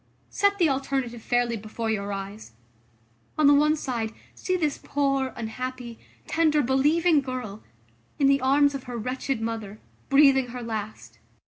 Set the alternative fairly before your eyes. On the one side, see this poor, unhappy, tender, believing girl, in the arms of her wretched mother, breathing her last.